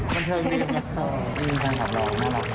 มันเทิงดี